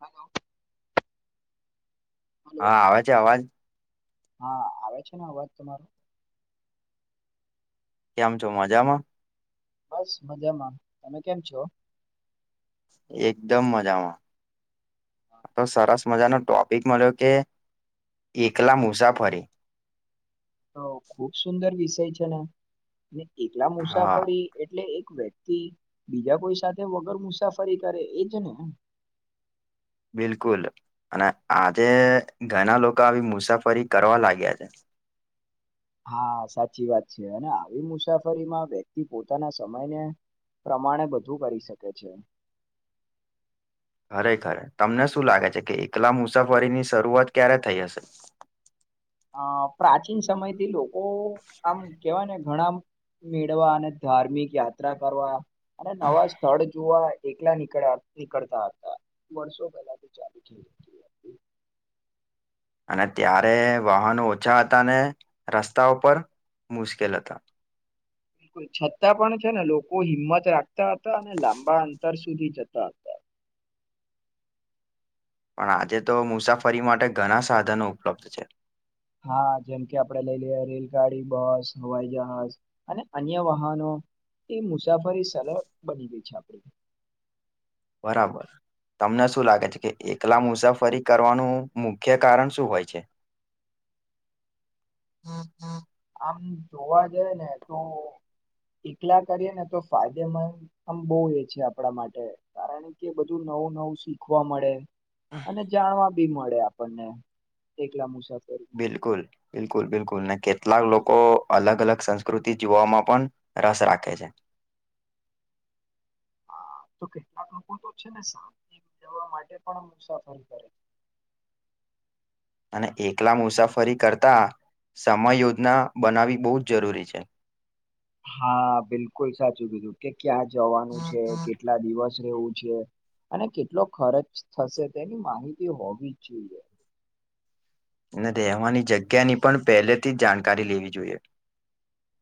Hello. Hello હા આવે છે અવાજ. હા આવે છે ને અવાજ તમારો. કેમ છો મજામાં? બસ મજામાં તમે કેમ છો? એકદમ મજામાં તો સરસ. મજાનો ટોપિક મળ્યો કે એકલા મુસાફરી. તો ખુબ સુંદર વિષય છે ને એકલા હા મુસાફરી એટલે. વ્યક્તિ બીજા કોઈ સાથે વગર મુસાફરી કરે એજ ને. બિલકુલ અને આજે ઘણા લોકો આવી મુસાફરી કરવા લાગ્યા છે. [inaudible] હા સાચી વાત છે અને આવી મુસાફરીમાં વ્યક્તિ પોતાના સમયને. પ્રમાણે બધું કરી શકે છે. [inaudible] ખરેખરે તમને શું લાગે છે કે એકલા મુસાફરીની શરૂઆત ક્યારે થઈ હશે. [inaudible] અ પ્રાચીન સમયથી લોકો આમ કેવાય ને ઘણા. મેળવા અને ધાર્મિક યાત્રા કરવા. અને નવા સ્થળ જોવા એકલા નીકળ્યા નીકળતા હતા વર્ષો પહેલા તો ચાલુ થઈ જ. [inaudible] અને ત્યારે વાહનો ઓછા હતા ને રસ્તા ઉપર. મુશકે લ હતા. બિલકુલ છતાં પણ છે ને લોકો હિંમત રાખતા હતા અને લાંબા અંતર સુધી. સુધી જતા હતા. પણ આજે તો મુસાફરી માટે ઘણા સાધનો ઉપલબ્ધ છે. હા જેમ કે આપણેે લઈ લઈએ રેલગાડી બસ હવાઈ જહાજ અને અન્ય વાહનો. એ મુસાફરી એ સરળ બની ગઈ છે આપણે [unintelligible] બરાબર તમને શું લાગે છે કે એકલા મુસાફરી કરવાનું મુખ્ય કારણ શું હોય છે હા હા આમ જોવા જઈ ને તો એકલા કરીએ ને તો ફાયદેમંદ આમ બહુ એ છે આપણા માટે કારણ કે બધું નવું નવું શીખવા મળે અને જાણવા બી મળે આપણને એકલા મુસાબ બિલકુલ બિલકુલ બિલકુલ ને કેટલાક લોકો અલગ અલગ સંસ્કૃતિ જોવામાં પણ રસ રાખે છે હા તો કેટલાક લોકો તો છે ને શાંત ઉજવવા માટે પણ મુસાફરી કરે છે અને એકલા મુસાફરી કરતા સમય યોજના બનાવી બહુ જ જરૂરી છે હા બિલકુલ સાચું કીધું કે ક્યાં જવાનું છે કેટલા દિવસ વું છે અને કેટલો ખર્ચ થશે તેની માહિતી હોવી જ જોઈએ અને રહેવાની જગ્યાની પણ પહેલેથી જ જાણકારી લેવી જોઈએ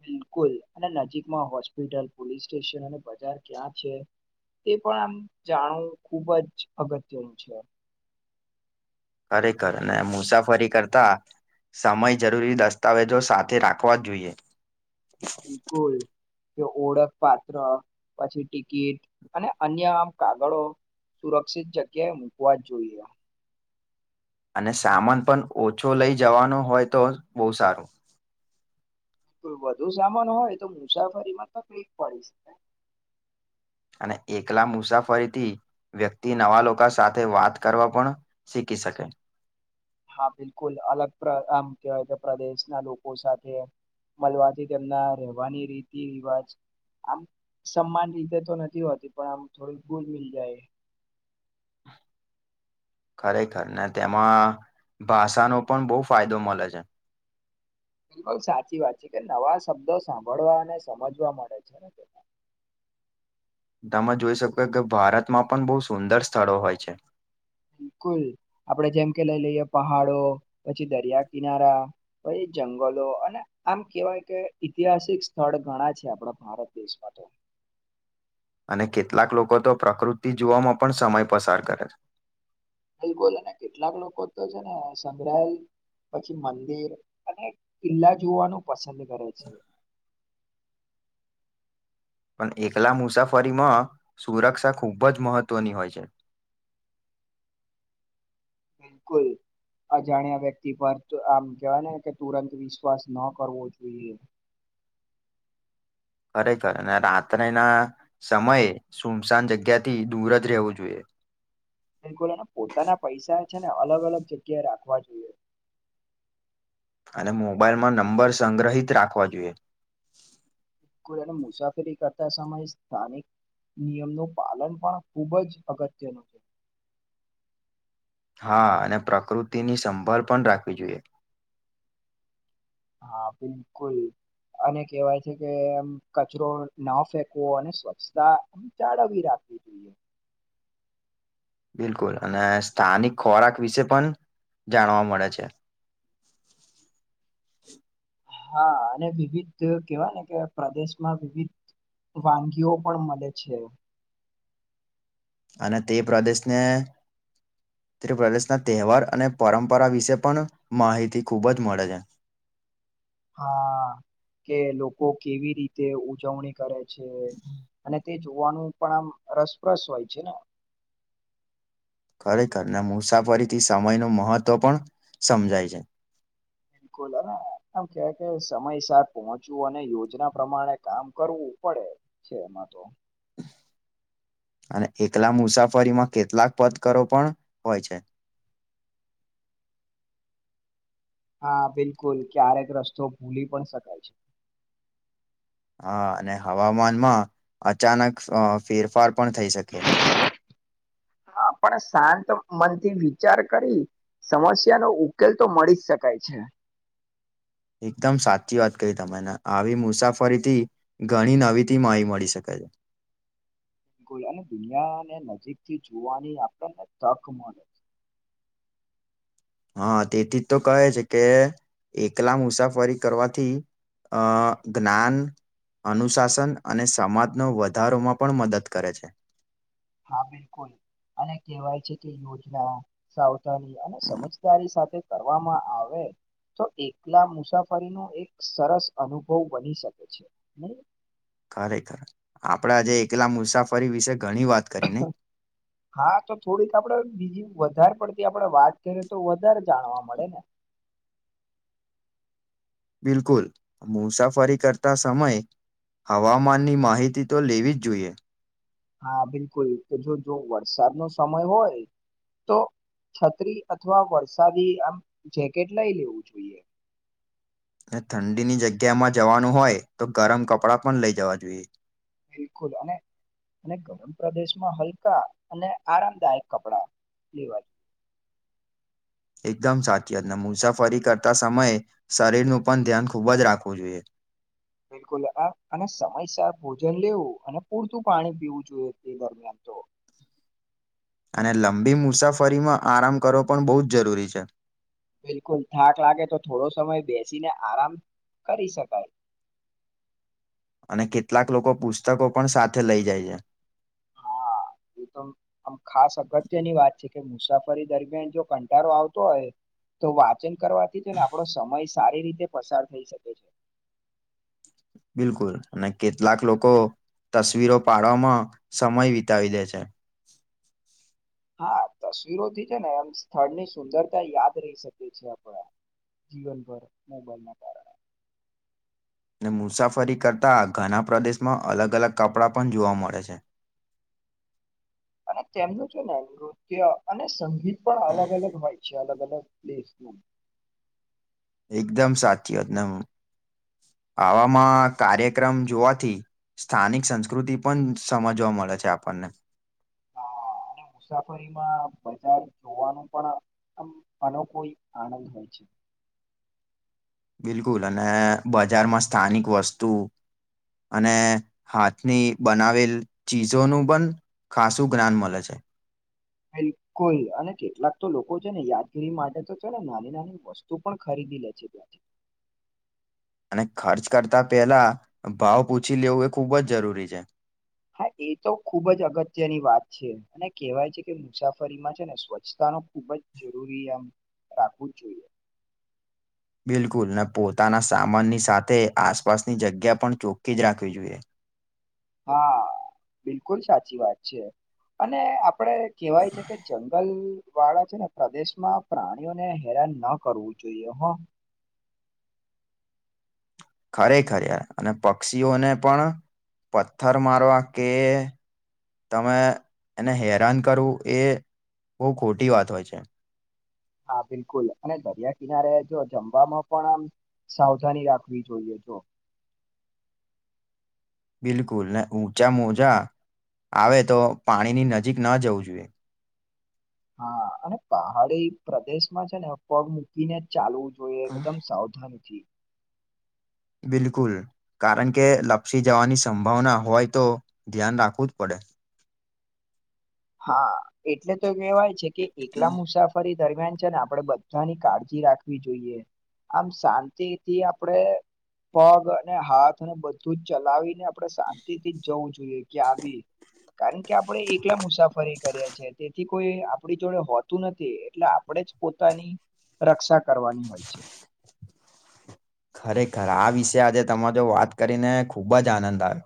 બિલકુલ અને નજીકમાં હોસ્પિટલ પોલીસ સ્ટેશન અને બજાર ક્યાં છે તે પણ આમ જાણવું ખુબ જ અગત્યનું છે ખરેખર ને મુસાફરી કરતા સમય જરૂરી દસ્તાવેજો સાથે રાખવા જોઈએ બિલકુલ કે ઓળખ પાત્ર પછી ટિકિટ અને અન્ય આમ કાગળો સુરક્ષિત જગ્યાએ મૂકવા જ જોઈએ અને સામાન પણ ઓછો લઈ જવાનો હોય તો બહુ સારું કોઈ વધુ સામાન હોય તો મુસાફરીમાં તકલીફ પડી શકે અને એકલા મુસાફરીથી વ્યક્તિ નવા લોકો સાથે વાત કરવા પણ શીખી શકે [unintelligible] હા બિલકુલ અલગ પ્ર આમ કવાય કે પ્રદેશના લોકો સાથે મળવાથી તેમના રહેવાની રીતિ રિવાજ આમ સમાન રીતે તો નથી હોતી પણ આમ થોડી ભૂલ મીલ જાય [unintelligible] ખરેખર ને તેમાં ભાષાનો પણ બહુ ફાયદો મળે છે બિલકુલ સાચી વાત છે કે નવા શબ્દો સાંભળવા અને સમજવા મળે છે ને તે તમે જોઈ શકો કે ભારતમાં પણ બહુ સુંદર સ્થળો હોય છે [unintelligible] બલકુલ આપડે જેમ કે લઈ લઈએ પહાડો પછી દરિયા કિનારા પછી જંગલો તો અને આમ કેવાય કે ઐતિહાસિક સ્થળ ઘણા છે આપડા ભારત દેશમાં તો [unintelligible] અને કેટલાક લોકો તો પ્રકૃતિ જોવામાં પણ સમય પસાર કરે છે બિલકુલ અને કેટલાક લોકો તો છે ને સંગ્રહાયલ પછી મંદિર અને કિલ્લા જોવાનું પસંદ કરે છે [unintelligible] પણ એકલા મુસાફરીમાં સુરક્ષા ખૂબ જ મહત્વની હોય છે [unintelligible] બિલકુલ અજાણ્યા વ્યક્તિ પર આમ કેવાય ને કે તુરંત વિશ્વાસ ન કરવો જોઈએ [unintelligible] ખરેખર અને રાત્રે ના સમયે સુમસાન જગ્યાથી દૂર જ રહેવું જોઈએ [unintelligible] બિલકુલ અને પોતાના પૈસા છે ને અલગ અલગ જગ્યાએ રાખવા જોઈએ અને મોબાઈલમાં નંબર સંગ્રહિત રાખવા જોઈએ બિલકુલ મુસાફરી કરતા સમયે સ્થાનિક નિયમનું પાલન પણ ખુબ જ અગત્યનું છે [unintelligible] હા અને પ્રકૃતિની સંભળ પણ રાખવી જોઈએ હા બિલકુલ અને કેવાય છે કેમ કચરો ના ફેકવો અને સ્વચ્છતા જાળવી રાખ [unintelligible] [inaudible] બિલકુલ અને સ્થાનિક ખોરાક વિશે પણ જાણવા મળે છે [inaudible] હા અને વિવિધ કેવા ને કે પ્રદેશમાં વિવિધ વાનગીઓ પણ મળે છે અને તે પ્રદેશને ઉત્ર પ્ર્રદેશના તહેવાર અને પરંપરા વિશે પણ માહિતી ખૂબ જ મળે છે [unintelligible] હા કે લોકો કેવી રીતે ઉજવણી કરે છે અને તે જો નું પણ આમ રસપ્રસ હોય છે ને ખરેખરના મુસાફરીથી સમયનું મહત્વ પણ સમજાય છે બિલકુલ અને આમ કવા સમય સાથ પહોંચવું અને યોજના પ્રમાણે કામ કરવું પડે છે એમાં તો [inaudible] અને એકલા મુસાફરીમાં કેટલાક પથકરો પણ હોય છે [inaudible] હા બિલકુલ ક્યારેક રસ્તો ભૂલી પણ શકાય છે હા અને હવામાનમાં અચાનક ફેરફાર પણ થઈ શકે [inaudible] હા પણ શાંત મનથી વિચાર કરી સમસ્યા નો ઉકેલ તો મળી જ શકાય છે [inaudible] એકદમ સાચી વાત કહી તમેને આવી મુસાફરીથી ઘણી નવી થી માહીતી મળી શકે [inaudible] [inaudible] બિકુલ અને દુનિયાને નજીક થી જોવાની આપણને તક મળે છે હા તેથી તો કહે છે કે એકલા મુસાફરી કરવાથી અ જ્ઞાન અનુશાસન અને સમાજનો વધારોમાં પણ મદદ કરે છે હા બિલકુલ અને કહેવાય છે કે યોજના સાવધાની અને હમ, સમજદારી સાથે કરવામાં આવે તો એકલા મુસાફરી નો એક સરસ અનુભવ બની શકે છે ખરેખર આપડાે આજે એકલા મુસાફરી વિશે ઘણી વાત કરી નઈ હા તો થોડીક આપડે બીજી વધારે આપડે વાત કરીએ તો વધારે જાણવા મળે ને બિલકુલ મુસાફરી કરતા સમય હવામાનની માહિતી તો લેવી જ જોઈએ હા બિલકુલ તો જો જો વરસાદ નો સમય હોય તો છત્રી અથવા વરસાદી આમ જેકેટ લઈ લેવું જોઈએ [unintelligible] [unintelligible] તે ઠંડીની જગ્યામાં જવાનું હોય તો ગરમ કપડાં પણ લઈ જવા જોઈએ બિલકુલ અને અને ગરમ પ્રદેશમાં હલકા અને આરામદાયક કપડા લેવા [inaudible] [inaudible] એકદમ સાચી વાતને મુસાફરી કરતા સમયે શરીરનું પણ ધ્યાન ખૂબ જ રાખવું જોઈએ બિલકુલ આ અને સમયસર ભોજન લેવું અને પૂરતું પાણી પીવું જોઈએ તે દરમિયાન તો [inaudible] [inaudible] અને લંબી મુસાફરીમાં આરામ કરવો પણ બોઉ જ જરૂરી છે બિલકુલ થાક લાગે તો થોડો સમય બેસીને આરામ કરી શકાય અને કેટલાક લોકો પુસ્તકો પણ સાથે લઈ જાય છે હા એ તો આમ ખાસ અગત્યની વાત છે કે મુસાફરી દરમિયાન જો કંટાળો આવતો હોય તો વાચન કરવાથી જ ને આપણો સમય સારી રીતે પસાર થઈ શકે છે બિલકુલ અને કેટલાક લોકો તસવીરો પાડવામાં સમય વિતાવી દે છે હા તસવીરોથી છે ને એમ સ્થળની સુંદરતા યાદ રહી શકે છેએ આપણા જીવનભર મોબાઈલ ના કારણે ને મુસાફરી કરતાં આ ઘણા પ્રદેશમાં અલગ અલગ કપડાં પણ જોવા મળે છે [inaudible] [inaudible] અને તેમનું છે ને નૃત્ય અને સંગીત પણ અલગ અલગ હોય છે અલગ અલગ પ્સ એકદમ સાચી વાતને હું આવામાં કાર્યક્રમ જોવાથી સ્થાનિક સંસ્કૃતિ પણ સમજવા મળે છે આપણને હા અને મુસાફરીમાં બજાર જોવાનું પણ આમ અનોખોઈ આનંદ હોય છે [inaudible] [inaudible] બિલકુલ અને બજારમાં સ્થાનિક વસ્તુ અને હાથની બનાવેલ ચીજોનું પન ખાસું જ્ઞાન મલે છે [inaudible] [inaudible] બિલકુલ અને કેટલાક તો લોકો છે ને યાદગીરી માટે તો છે ને નાની નાની વસ્તુ પણ ખરીદ [unintelligible] [unintelligible] [inaudible] [inaudible] અને ખર્ચ કરતા પેલા ભાવ પૂછી લેવું એ ખૂબ જ જરૂરી છે હા એ તો ખુબ જ અગત્યની વાત છે અને કેહેવાય છે કે મુસાફરીમાં છે ને સ્વચ્છતા ખુબ જ જરૂરી એમ રાખવું જ જોઈએ [inaudible] બિલકુલ ને પોતાના સામાનની સાથે આસપાસની જગ્યા પણ ચોખ્ખી જ રાખવી જોઈએ. હા બિલકુલ સાચી વાત છે. અને આ આપળે કહેવાય છે કે જંગલ વાળા છે ને પ્રદેશમાં પ્રાણીઓને હેરાન ન કરવું જોઈએ હ ખરેખર યાર અને પક્ષીઓને પણ પથ્થર મારવા કે તમે એને હેરાન કરવું એ બોઉ ખોટી વાત હોય છે. હા બિલકુલ અને દરિયા કિનારે જો જમવામાં પણ આમ સાવધાની રાખવી જોઈએ. જો [inaudible] બિલકુલ ને ઊંચા મોજા આવે તો પાણીની નજીક ન જવું જોઈએ. હા અને પહાડી પ્રદેશમાં છે ને પગ મૂકીને ચાલવુ જોઈએ એકદમ સાવધાનથી. બિલકુલ કારણ કે લપસી જવાની સંભાવના હોય તો ધ્યાન રાખવું જ પડે. [inaudible] હા એટલે તો કેવાય છે કે એકલા મુસાફરી દરમિયાન છે ને આપડે બધાની કાળજી રાખવી જોઈએ. આમ શાંતિથી આપડે પગ અને હાથને બધું જ ચલાવીને પડે શાંતિ થી જવું જોઈએ કે આવી કારણ કે આપડે એકલા મુસા ફરી કરીએ છે તેથી કોઈ આપડી જોડે હોતું નથી એટલે આપડે જ પોતાની રક્ષા કરવાની હોય છે. ખરેખર આ વિશે આજે તમા જો વાત કરીને ખુબ જ આનંદ આયો.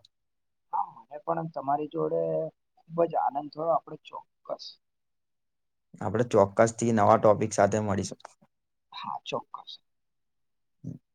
હા મને પણ એમ તમારી જોડે ખુબ જ આનંદ થયો આપડે ચોક્કસ આપડે ચોક્કસથી નવા ટોપિક સાથે મળીશુ. હા ચોક્કસ [inaudible]